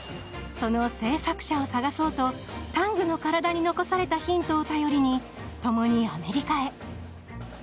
その製作者を探そうとタングの体に残されたヒントを頼りに共にアメリカへ。